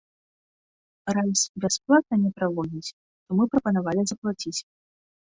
Раз бясплатна не праводзяць, то мы прапанавалі заплаціць.